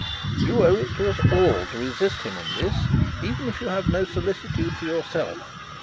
You owe it to us all to resist him in this, even if you have no solicitude for yourself.